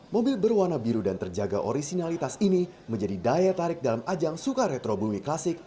mobil berwarna biru dan terjaga orisinalitas ini menjadi daya tarik dalam ajang sukaretro bumi klasik